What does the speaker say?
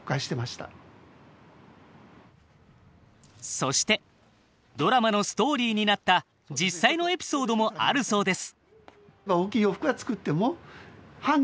そしてドラマのストーリーになった実際のエピソードもあるそうです。